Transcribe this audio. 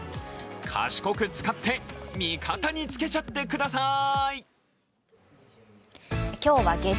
賢く使って、味方につけちゃってください。